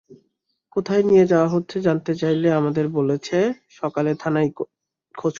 কোথায় নিয়ে যাওয়া হচ্ছে জানতে চাইলে আমাদের বলেছে, সকালে থানায় খোঁজ করবেন।